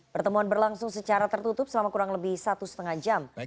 pertemuan berlangsung secara tertutup selama kurang lebih satu lima jam